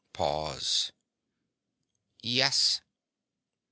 Pause. "Yes."